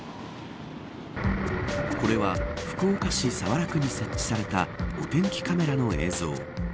これは福岡市早良区に設置されたお天気カメラの映像。